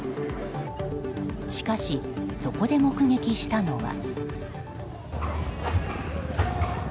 しかし、そこで目撃したのは。